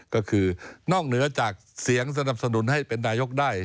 ก็คือนอกเหนือจากเสียงสนับสนุนให้เป็นนายกได้